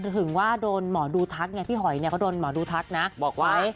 ถึงว่าโดนหมอดูทักไงพี่หอยเขาโดนหมอดูทักนะบอกไว้